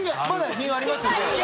品ありますよね？